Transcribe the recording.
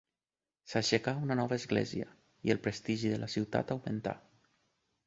S'aixecà una nova església i el prestigi de la ciutat augmentà.